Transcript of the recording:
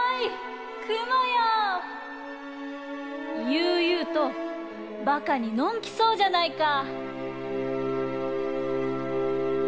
ゆうゆうと馬鹿にのんきそうじゃないか。